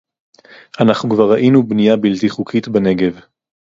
אנחנו כבר ראינו בנייה בלתי חוקית בנגב